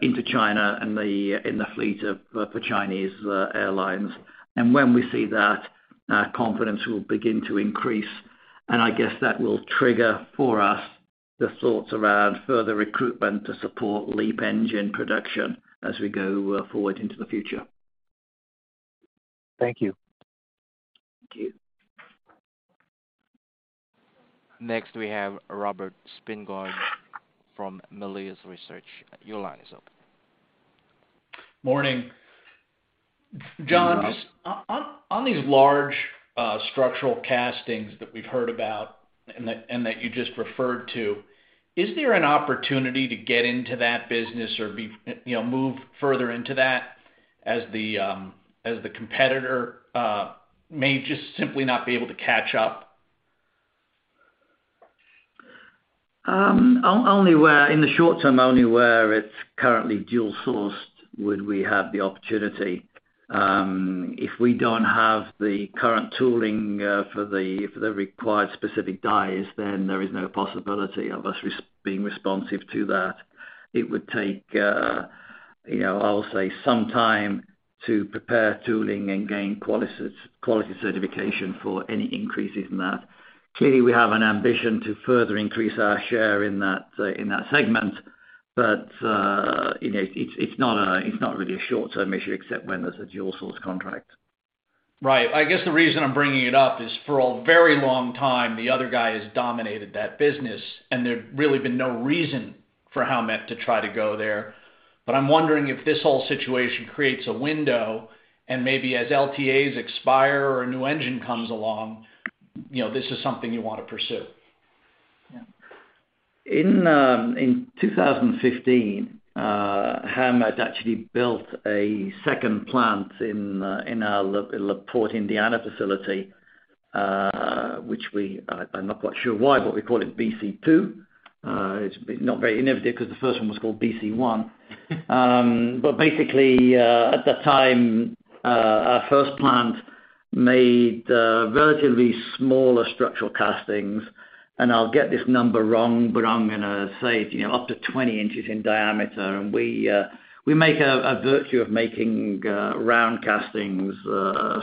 into China and in the fleet for Chinese airlines. When we see that, our confidence will begin to increase. I guess that will trigger for us the thoughts around further recruitment to support LEAP engine production as we go forward into the future.
Thank you.
Thank you.
Next, we have Robert Spingarn from Melius Research. Your line is open.
Morning. John, just on these large structural castings that we've heard about and that you just referred to, is there an opportunity to get into that business or move further into that? As the competitor may just simply not be able to catch up.
In the short term, only where it's currently dual-sourced would we have the opportunity. If we don't have the current tooling for the required specific dies, then there is no possibility of us being responsive to that. It would take, I'll say some time to prepare tooling and gain quality certification for any increases in that. Clearly, we have an ambition to further increase our share in that segment. It's not really a short-term issue except when there's a dual source contract.
Right. I guess the reason I'm bringing it up is for a very long time, the other guy has dominated that business, and there's really been no reason for Howmet to try to go there. I'm wondering if this whole situation creates a window, and maybe as LTAs expire or a new engine comes along this is something you wanna pursue.
In 2015, Howmet actually built a second plant in our LaPorte, Indiana facility, which we, I'm not quite sure why, but we call it BC two. It's not very innovative because the first one was called BC one. But basically, at that time, our first plant made relatively smaller structural castings, and I'll get this number wrong, but I'm gonna say up to 20 inches in diameter. And we make a virtue of making round castings,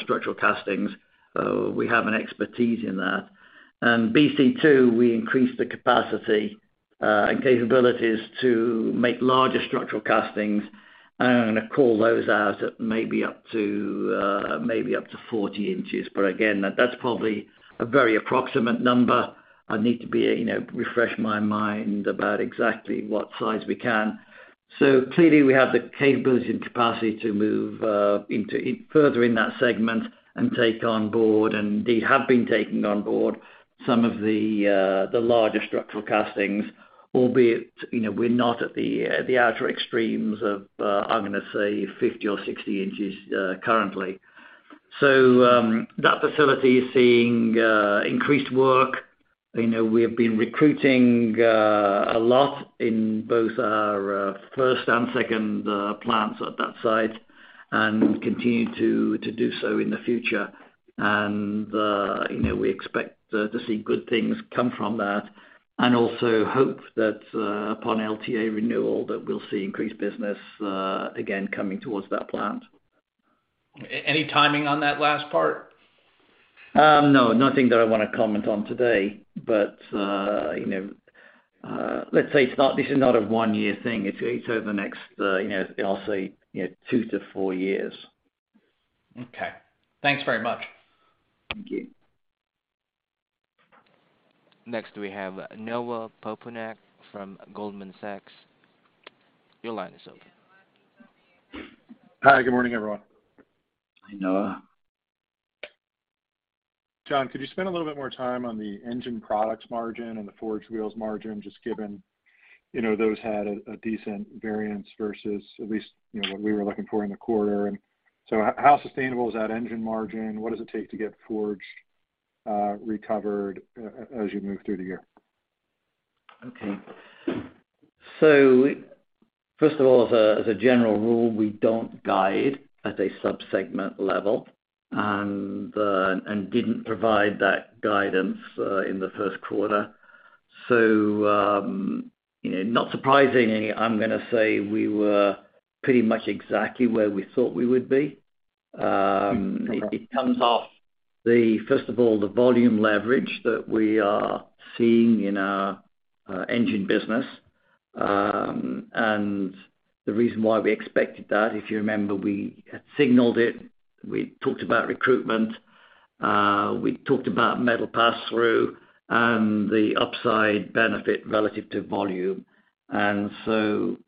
structural castings. We have an expertise in that. And BC two, we increased the capacity and capabilities to make larger structural castings. And I'm gonna call those out at maybe up to 40 inches. But again, that's probably a very approximate number. I need to refresh my mind about exactly what size we can. Clearly, we have the capabilities and capacity to move into further in that segment and take on board, and indeed have been taking on board some of the larger structural castings, albeit, we're not at the outer extremes of, I'm gonna say 50 or 60 inches currently. That facility is seeing increased work. You know, we have been recruiting a lot in both our first and second plants at that site and continue to do so in the future. You know, we expect to see good things come from that and also hope that upon LTA renewal, that we'll see increased business again coming towards that plant.
Any timing on that last part?
No, nothing that I wanna comment on today, but you know, let's say this is not a one-year thing. It's over the next I'll say 2-4 years.
Okay. Thanks very much.
Thank you.
Next, we have Noah Poponak from Goldman Sachs. Your line is open.
Hi, good morning, everyone.
Hi, Noah.
John, could you spend a little bit more time on the Engine Products margin and the Forged Wheels margin, just given those had a decent variance versus at least what we were looking for in the quarter? How sustainable is that engine margin? What does it take to get forged recovered as you move through the year?
Okay. First of all, as a general rule, we don't guide at a sub-segment level and didn't provide that guidance in the Q1. You know, not surprisingly, I'm gonna say we were pretty much exactly where we thought we would be. First of all, the volume leverage that we are seeing in our engine business. The reason why we expected that, if you remember, we had signaled it. We talked about recruitment, we talked about metal passthrough and the upside benefit relative to volume. For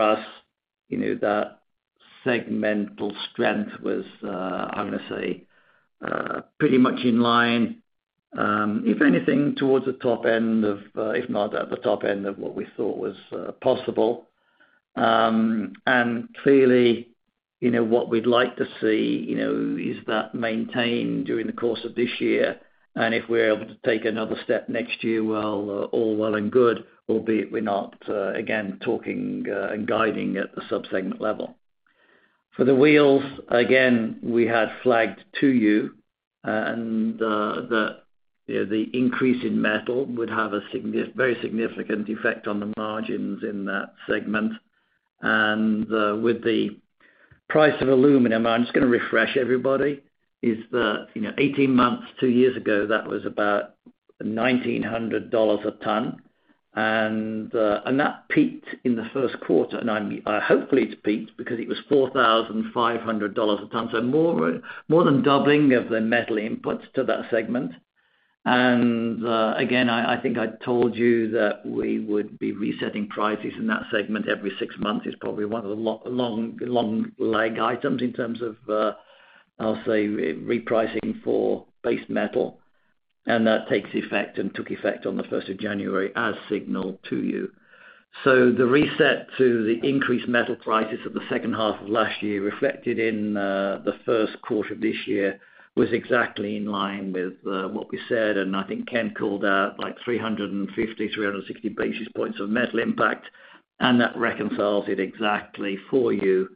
us that segmental strength was, I'm gonna say, pretty much in line, if anything, towards the top end of, if not at the top end of what we thought was possible. Clearly what we'd like to see is that maintained during the course of this year. If we're able to take another step next year, well, all well and good, albeit we're not again talking and guiding at the sub-segment level. For the wheels, again, we had flagged to you and the increase in metal would have a very significant effect on the margins in that segment. With the price of aluminum, I'm just gonna refresh everybody, is that 18 months, two years ago, that was about $1,900 a ton. And that peaked in the Q1, and I'm hopefully it's peaked because it was $4,500 a ton. More than doubling of the metal inputs to that segment. I think I told you that we would be resetting prices in that segment every six months. It's probably one of the long lag items in terms of, I'll say repricing for base metal. That takes effect and took effect on the first of January as signaled to you. The reset to the increased metal prices of the second half of last year reflected in the Q1 of this year was exactly in line with what we said. I think Ken called out like 350, 360 basis points of metal impact, and that reconciles it exactly for you.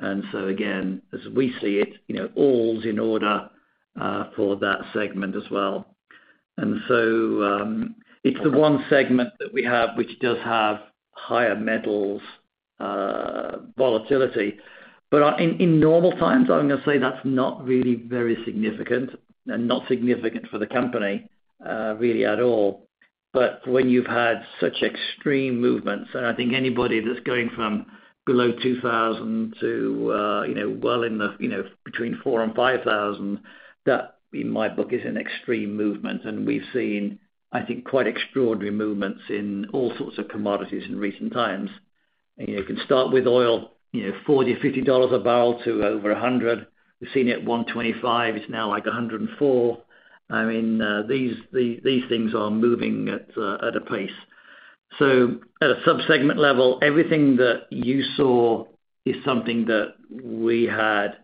Again, as we see it all is in order for that segment as well. It's the one segment that we have, which does have higher metals volatility. In normal times, I'm gonna say that's not really very significant and not significant for the company really at all. When you've had such extreme movements, and I think anybody that's going from below 2,000 to well in the between 4,000-5,000, that in my book is an extreme movement. We've seen, I think, quite extraordinary movements in all sorts of commodities in recent times. You know, you can start with oil $40-$50 a barrel to over $100. We've seen it $125. It's now like $104. I mean, these things are moving at a pace. At a sub-segment level, everything that you saw is something that we had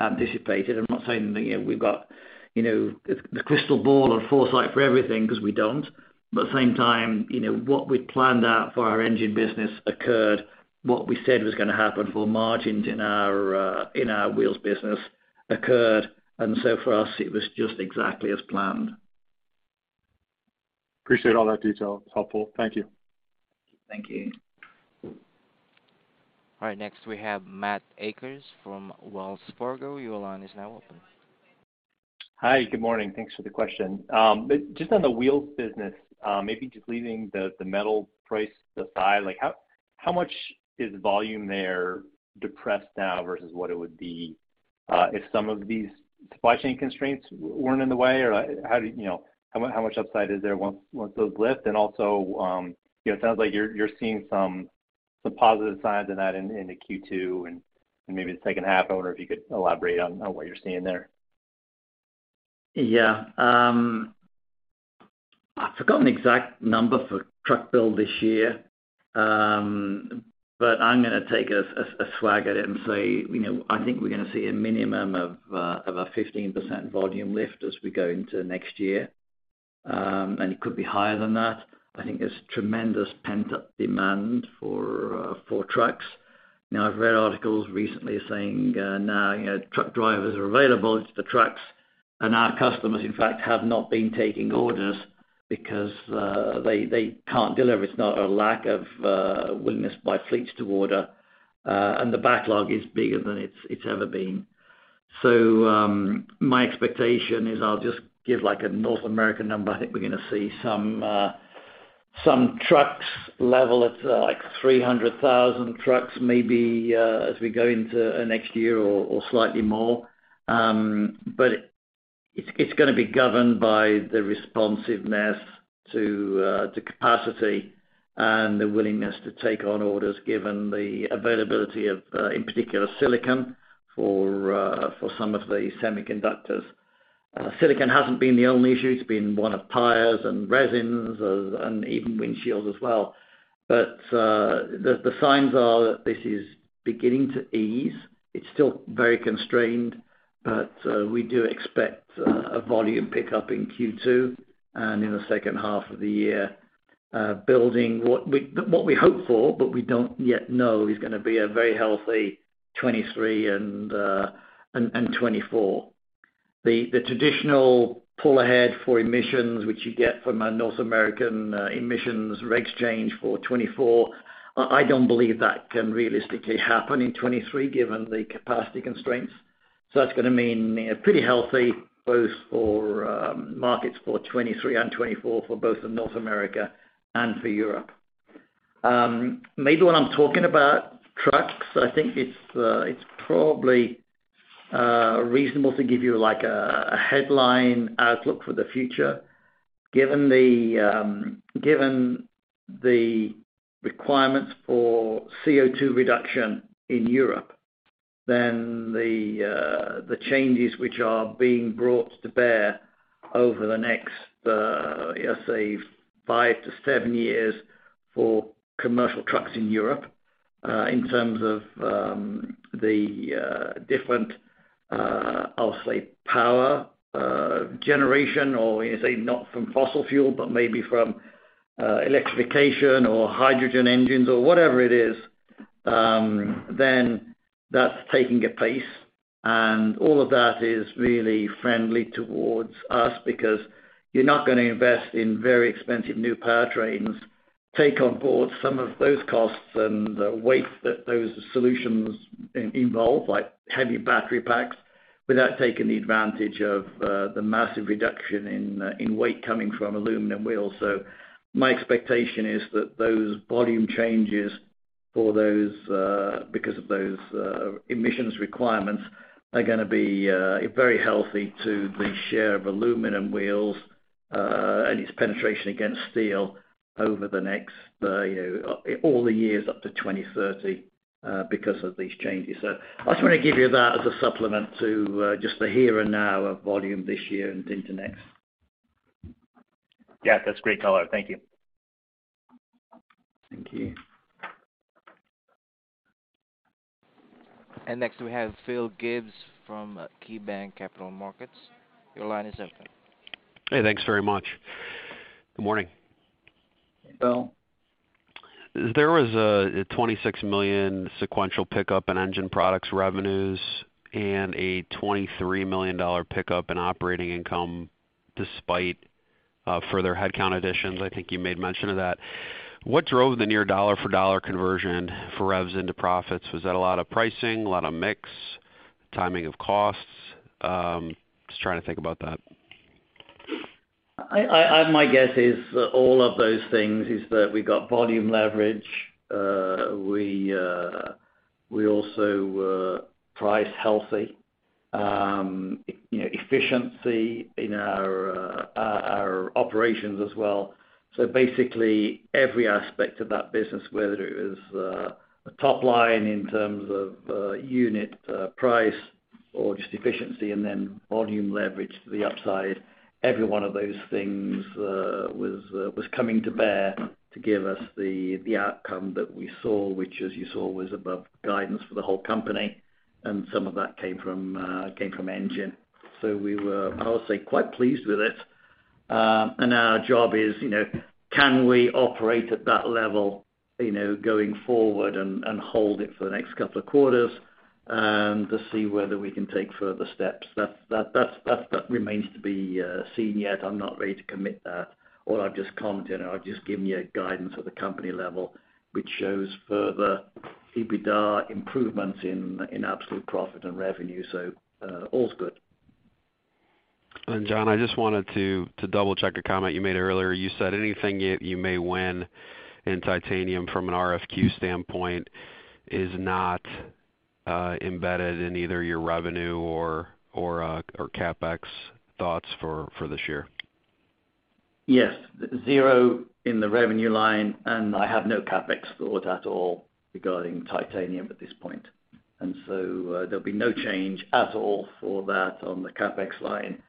anticipated. I'm not saying that we've got the crystal ball or foresight for everything because we don't. Same time what we'd planned out for our engine business occurred, what we said was gonna happen for margins in our wheels business occurred. For us it was just exactly as planned.
Appreciate all that detail. It's helpful. Thank you.
Thank you.
All right. Next we have Matthew Akers from Wells Fargo. Your line is now open.
Hi. Good morning. Thanks for the question. Just on the wheels business, maybe just leaving the metal price aside, like how much is volume there depressed now versus what it would be if some of these supply chain constraints weren't in the way or how much upside is there once those lift? Also it sounds like you're seeing some positive signs in that into Q2 and maybe the second half. I wonder if you could elaborate on what you're seeing there.
Yeah. I've forgotten the exact number for truck build this year. I'm gonna take a swag at it and say I think we're gonna see a minimum of a 15% volume lift as we go into next year. It could be higher than that. I think there's tremendous pent-up demand for trucks. Now, I've read articles recently saying, no truck drivers are available to trucks, and our customers in fact have not been taking orders because they can't deliver. It's not a lack of willingness by fleets to order, and the backlog is bigger than it's ever been. My expectation is I'll just give like a North American number. I think we're gonna see some trucks level at like 300,000 trucks maybe as we go into next year or slightly more. It's gonna be governed by the responsiveness to capacity and the willingness to take on orders given the availability of in particular silicon for some of the semiconductors. Silicon hasn't been the only issue. It's been one of tires and resins and even windshields as well. The signs are that this is beginning to ease. It's still very constrained, but we do expect a volume pickup in Q2 and in the second half of the year building what we hope for, but we don't yet know, is gonna be a very healthy 2023 and 2024. The traditional pull ahead for emissions which you get from a North American emissions regs change for 2024, I don't believe that can realistically happen in 2023 given the capacity constraints. That's gonna mean a pretty healthy both for markets for 2023 and 2024 for both in North America and for Europe. Maybe when I'm talking about trucks, I think it's probably reasonable to give you like a headline outlook for the future. Given the requirements for CO2 reduction in Europe, then the changes which are being brought to bear over the next say five-seven years for commercial trucks in Europe, in terms of the different, I'll say power generation or, say, not from fossil fuel, but maybe from electrification or hydrogen engines or whatever it is, then that's taking a pace. All of that is really friendly towards us because you're not gonna invest in very expensive new powertrains, take on board some of those costs and the weight that those solutions involve, like heavy battery packs, without taking the advantage of the massive reduction in weight coming from aluminum wheels. My expectation is that those volume changes for those because of those emissions requirements are gonna be very healthy to the share of aluminum wheels, its penetration against steel over the next all the years up to 2030, because of these changes. I just want to give you that as a supplement to just the here and now of volume this year and into next.
Yeah, that's great color. Thank you.
Thank you.
Next, we have Philip Gibbs from KeyBanc Capital Markets. Your line is open.
Hey, thanks very much. Good morning.
Phil.
There was a $26 million sequential pickup in Engine Products revenues and a $23 million pickup in operating income despite further headcount additions. I think you made mention of that. What drove the near dollar for dollar conversion for revs into profits? Was that a lot of pricing, a lot of mix, timing of costs? Just trying to think about that.
My guess is all of those things is that we got volume leverage. We also priced healthily. You know, efficiency in our operations as well. Basically every aspect of that business, whether it was a top line in terms of unit price or just efficiency and then volume leverage to the upside, every one of those things was coming to bear to give us the outcome that we saw, which as you saw was above guidance for the whole company, and some of that came from engine. We were, I would say, quite pleased with it. Our job is can we operate at that level going forward and hold it for the next couple of quarters, to see whether we can take further steps. That remains to be seen yet. I'm not ready to commit that or I just can't. You know, I'll just give you a guidance at the company level, which shows further EBITDA improvements in absolute profit and revenue. All's good.
John, I just wanted to double-check a comment you made earlier. You said anything you may win in titanium from an RFQ standpoint is not embedded in either your revenue or CapEx thoughts for this year.
Yes. 0 in the revenue line, and I have no CapEx thought at all regarding titanium at this point. There'll be no change at all for that on the CapEx line.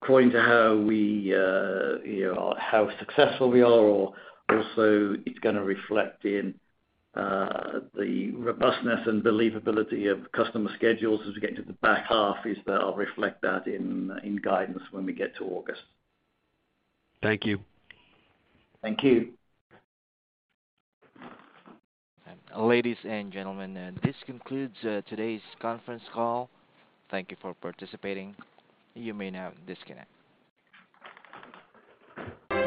According to how we how successful we are or also it's gonna reflect in the robustness and believability of customer schedules as we get into the back half, that I'll reflect that in guidance when we get to August.
Thank you.
Thank you.
Ladies and gentlemen, this concludes today's conference call. Thank you for participating. You may now disconnect.